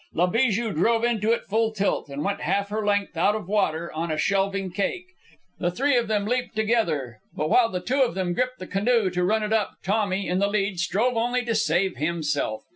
La Bijou drove into it full tilt, and went half her length out of water on a shelving cake. The three leaped together, but while the two of them gripped the canoe to run it up, Tommy, in the lead, strove only to save himself.